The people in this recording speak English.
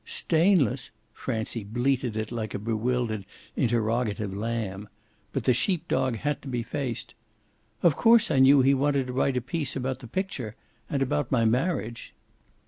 "Stainless?" Francie bleated it like a bewildered interrogative lamb. But the sheep dog had to be faced. "Of course I knew he wanted to write a piece about the picture and about my marriage."